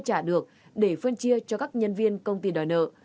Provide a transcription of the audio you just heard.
các nhân viên được trả tiền để phân chia cho các nhân viên công ty đòi nợ